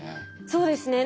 そうですね。